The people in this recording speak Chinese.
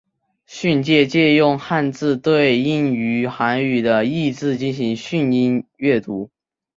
训借借用汉字对应于韩语的意字进行训音阅读。